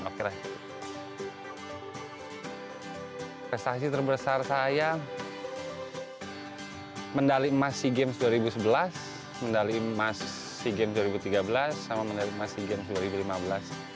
prestasi terbesar saya medali emas sea games dua ribu sebelas medali emas sea games dua ribu tiga belas sama medali emas sea games dua ribu lima belas